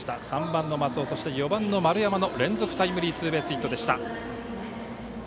３番の松尾そして、４番の丸山の連続タイムリーツーベースヒット。